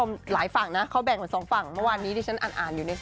ไม่ไปเรื่องกฎหมายนะ